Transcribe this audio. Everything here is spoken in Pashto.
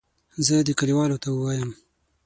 زه دې کلیوالو ته ووایم.